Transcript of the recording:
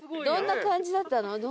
どんな感じだったの？